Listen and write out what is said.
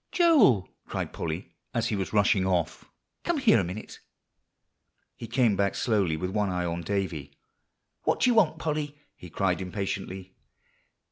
"Joel," cried Polly, as he was rushing off, "come here a minute." He came back slowly, with one eye on Davie. "What do you want, Polly?" he cried impatiently.